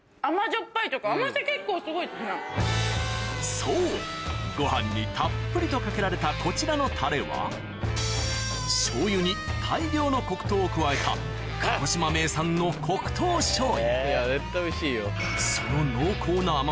そうご飯にたっぷりとかけられたこちらのタレはしょう油に大量の黒糖を加えたあっつらそう。